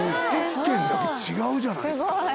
１軒だけ違うじゃないですか。